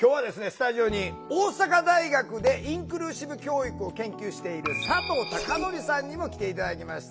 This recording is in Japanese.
スタジオに大阪大学でインクルーシブ教育を研究している佐藤貴宣さんにも来て頂きました。